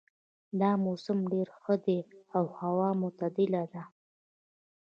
دا موسم ډېر ښه ده او هوا معتدله ده